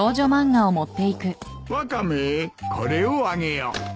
ワカメこれをあげよう。